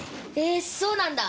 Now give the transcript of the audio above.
えそうなんだ！